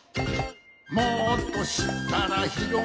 「もっとしったらひろがるよ」